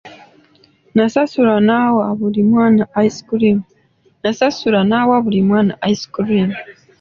Nasasula n'awa buli mwana ice cream.